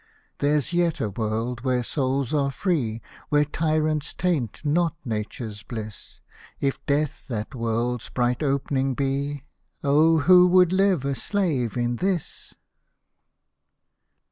There's yet a world, where souls are free. Where tyrants taint not nature's bliss ;— If death that world's bright opening be, Oh ! who would live a slave in this